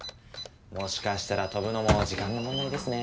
もしかしたら飛ぶのも時間の問題ですね。